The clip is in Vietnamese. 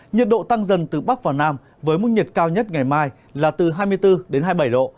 nhiệt độ tăng dần từ bắc vào nam với mức nhiệt cao nhất ngày mai là từ hai mươi bốn đến hai mươi bảy độ